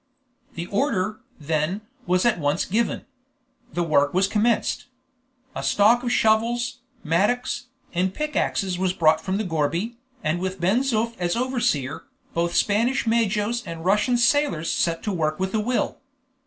The order, then, was at once given. The work was commenced. A stock of shovels, mattocks, and pick axes was brought from the gourbi, and with Ben Zoof as overseer, both Spanish majos and Russian sailors set to work with a will.